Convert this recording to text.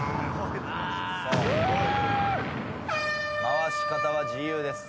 回し方は自由です。